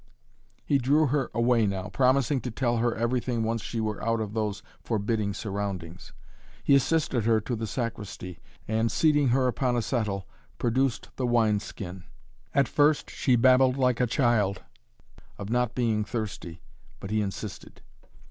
He drew her away now, promising to tell her everything once she were out of these forbidding surroundings. He assisted her to the sacristy and, seating her upon a settle, produced the wine skin. At first she babbled like a child, of not being thirsty, but he insisted.